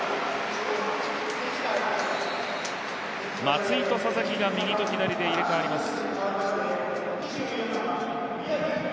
松井と佐々木が右と左で入れ代わります。